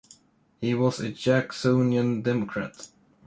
He was a Jacksonian Democrat.